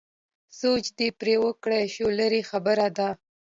سوچ دې پرې وکړای شو لرې خبره ده.